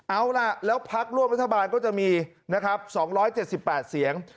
เอาล่ะแล้วพักร่วมรัฐบาลก็จะมีนะครับ๒๗๘เสียง